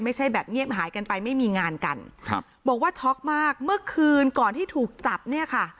ไม่ใช่แบบเงียบหายกันไปไม่มีงานกันครับบอกว่าช็อกมากเมื่อคืนก่อนที่ถูกจับเนี่ยค่ะ